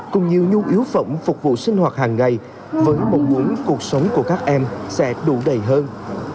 cùng nhiều nhu yếu phẩm phục vụ sinh hoạt hàng ngày với mong muốn cuộc sống của các em sẽ đủ đầy hơn